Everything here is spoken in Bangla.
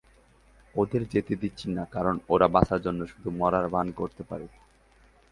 ওদের যেতে দিচ্ছি না কারণ ওরা বাঁচার জন্য শুধু মরার ভান করতে পারে।